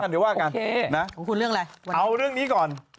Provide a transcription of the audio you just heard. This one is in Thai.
เอาเรื่องนี้ก่อน